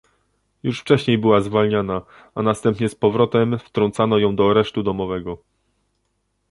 Już wcześniej była zwalniana, a następnie z powrotem wtrącano ją do aresztu domowego